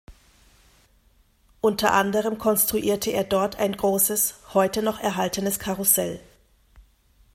Unter anderem konstruierte er dort ein großes, heute noch erhaltenes Karussell.